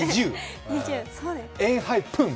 エンハイプン！